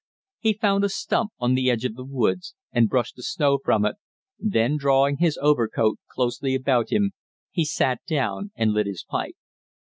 He found a stump on the edge of the woods and brushed the snow from it, then drawing his overcoat closely about him, he sat down and lit his pipe.